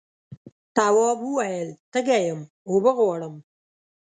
تواب وویل تږی یم اوبه غواړم.